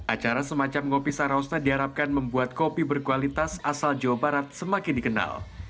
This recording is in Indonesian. acara semacam kopi sarausna diharapkan membuat kopi berkualitas asal jawa barat semakin dikenal